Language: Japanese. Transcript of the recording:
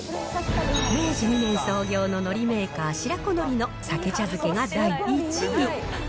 明治２年創業ののりメーカー、白子のりのさけ茶漬けが第１位。